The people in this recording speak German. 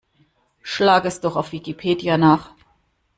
Schlag es doch auf Wikipedia nach!